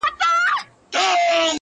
• نه پاچا نه حکمران سلطان به نسې..